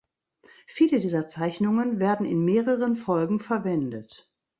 Viele dieser Zeichnungen werden in mehreren Folgen verwendet.